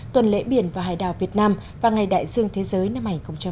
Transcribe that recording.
tuần lễ biển và hải đảo việt nam và ngày đại dương thế giới năm hai nghìn hai mươi